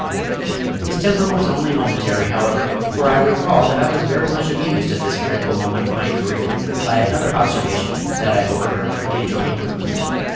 His temper was only momentary, however, for I recall that I was very much amused at this critical moment of my career by another observation that I overheard from the adjoining room.